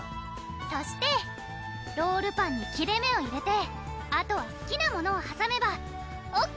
そしてロールパンに切れ目を入れてあとはすきなものをはさめばＯＫ！